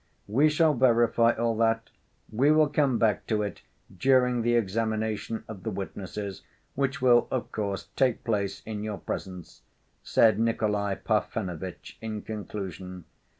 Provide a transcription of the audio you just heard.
"We shall verify all that. We will come back to it during the examination of the witnesses, which will, of course, take place in your presence," said Nikolay Parfenovitch in conclusion.